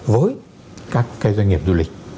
với các cái doanh nghiệp du lịch